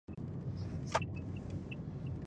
افکار بايد له پياوړي دريځ سره ملګري شي.